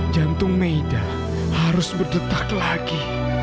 jantung maida harus berdetak lagi